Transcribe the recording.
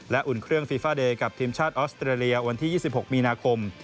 อุ่นเครื่องฟีฟาเดย์กับทีมชาติออสเตรเลียวันที่๒๖มีนาคม